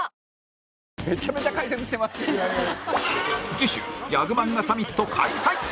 次週ギャグ漫画サミット開催